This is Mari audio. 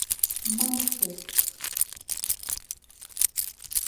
«МАНИФЕСТ